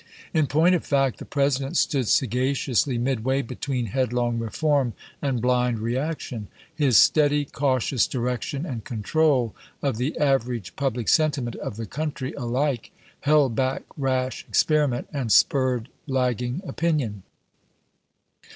In point of fact, the President stood sagaciously midway between headlong reform and blind reaction. His steady, cautious direction and control of the aver age pubhc sentiment of the country alike held back rash experiment and spurred lagging opinion.